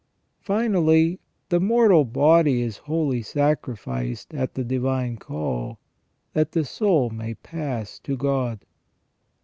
Finally, the mortal body is wholly sacrificed at the divine call, that the soul may pass to God.